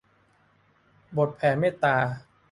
บทแผ่เมตตา